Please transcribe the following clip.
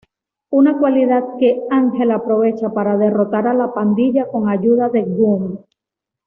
Una cualidad que Ángel aprovecha para derrotar a la pandilla con ayuda de Gunn.